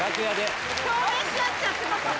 共鳴し合っちゃってますね。